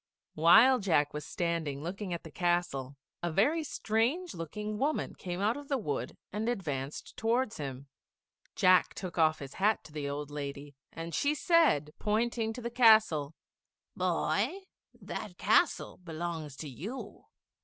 While Jack was standing looking at the castle, a very strange looking woman came out of the wood and advanced towards him. [Illustration: JACK CLIMBS THE BEAN STALK.] Jack took off his hat to the old lady, and she said, pointing to the castle, "Boy, that castle belongs to you.